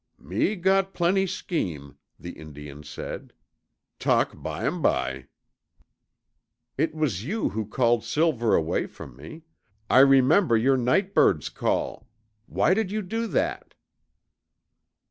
"Me got plenty scheme," the Indian said. "Talk bimeby." "It was you who called Silver away from me I remember your night bird's call. Why did you do that?"